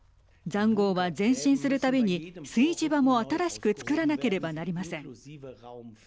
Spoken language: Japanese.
ざんごうは、前進するたびに炊事場も新しくつくらなければなりません。